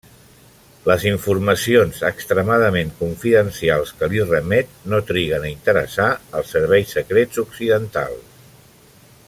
Les informacions extremadament confidencials que li remet no triguen a interessar els serveis secrets occidentals.